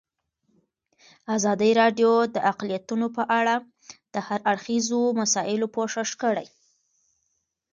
ازادي راډیو د اقلیتونه په اړه د هر اړخیزو مسایلو پوښښ کړی.